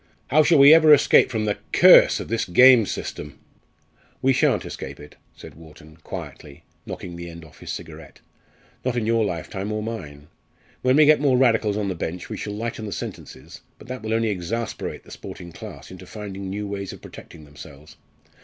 "How shall we ever escape from the curse of this game system?" "We shan't escape it," said Wharton, quietly, knocking the end off his cigarette, "not in your lifetime or mine. When we get more Radicals on the bench we shall lighten the sentences; but that will only exasperate the sporting class into finding new ways of protecting themselves.